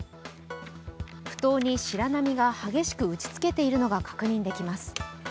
ふ頭に白波が激しく打ちつけているのが確認できます。